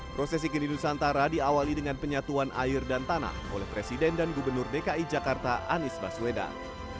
prosesi kendi nusantara diawali dengan penyatuan air dan tanah oleh presiden dan gubernur dki jakarta anies baswedan